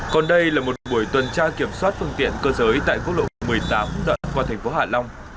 còn đây là một buổi tuần tra kiểm soát phương tiện cơ giới tại quốc lộ một mươi tám đoạn qua thành phố hạ long